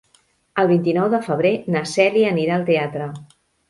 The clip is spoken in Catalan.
El vint-i-nou de febrer na Cèlia anirà al teatre.